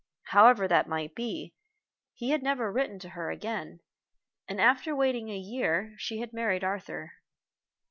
However that might be, he had never written to her again, and after waiting a year she had married Arthur.